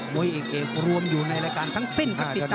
วยเอกรวมอยู่ในรายการทั้งสิ้นครับติดตาม